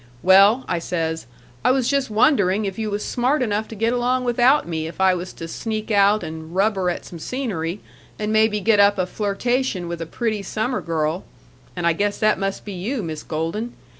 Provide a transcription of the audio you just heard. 'Well,' I says, 'I was just wondering if you was smart enough to get along without me if I was to sneak out and rubber at some scenery and maybe get up a flirtation with a pretty summer girl' and I guess that must be you, Miss Golden!